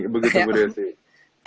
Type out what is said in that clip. begitu bu desi